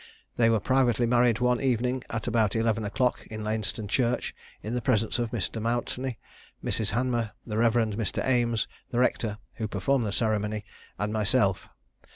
They were privately married one evening at about eleven o'clock in Lainston church, in the presence of Mr. Mountney, Mrs. Hanmer, the Rev. Mr. Ames, the rector, who performed the ceremony, and myself.